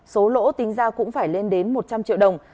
số lỗ tính ra cũng phải lên đến một trăm linh triệu đồng